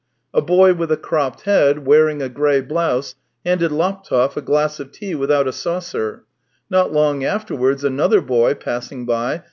A boy with a cropped head, wearing a grey blouse, handed Laptev a glass of tea without a saucer; not long afterwards another boy, passing by.